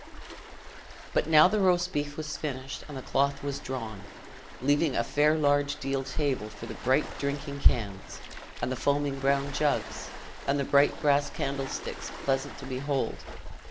But now the roast beef was finished and the cloth was drawn, leaving a fair large deal table for the bright drinking cans, and the foaming brown jugs, and the bright brass candlesticks, pleasant to behold.